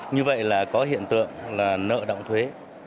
như vậy là có hiện tượng là nợ động thuế